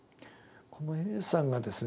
このＡさんがですね